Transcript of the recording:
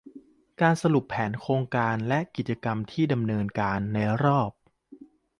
การสรุปแผนโครงการและกิจกรรมที่จะดำเนินการในรอบ